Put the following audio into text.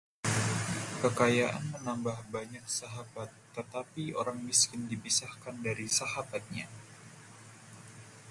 Kekayaan menambah banyak sahabat, tetapi orang miskin dipisahkan dari sahabatnya.